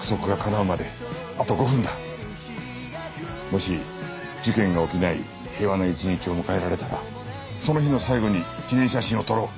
もし事件が起きない平和な一日を迎えられたらその日の最後に記念写真を撮ろう。